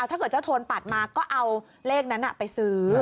ถ้าเกิดเจ้าโทนปัดมาก็เอาเลขนั้นไปซื้อ